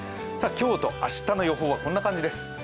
今日と明日の予報はこんな感じです。